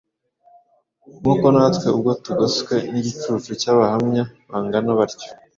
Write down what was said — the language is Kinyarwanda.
Nuko natwe ubwo tugoswe n’igicucu cy’abahamya bangana batyo,